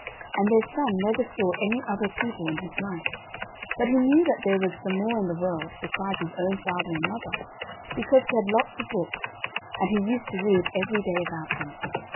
And their son never saw any other people in his life, but he knew that there was some more in the world besides his own father and mother, because he had lots of books, and he used to read every day about them.